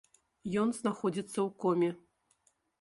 Ён знаходзіцца ў коме.